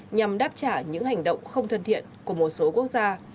nhằm đáp trả những hành động không thân thiện của một số quốc gia